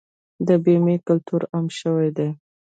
د بیمې کلتور عام شوی دی؟